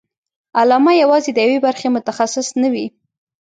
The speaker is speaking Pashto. علامه یوازې د یوې برخې متخصص نه وي.